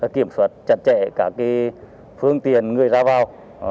kiểm soát chặt chẽ phương tiện người ra vào